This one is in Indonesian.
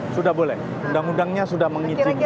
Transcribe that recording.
sudah boleh undang undangnya sudah mengizinkan